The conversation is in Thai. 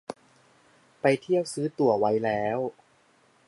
ไปเที่ยว ซื้อตั๋วไว้แล้ว